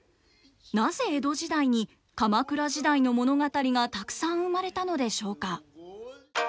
なぜ江戸時代に鎌倉時代の物語がたくさん生まれたのでしょうか。